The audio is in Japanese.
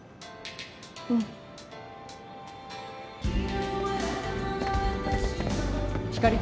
うん。ひかり。